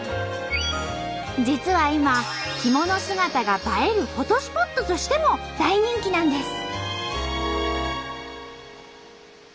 実は今着物姿が映えるフォトスポットとしても大人気なんです。